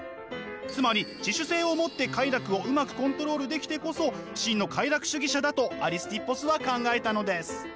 つまり自主性を持って快楽をうまくコントロールできてこそ真の快楽主義者だとアリスティッポスは考えたのです。